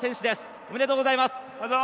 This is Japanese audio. ありがとうございます！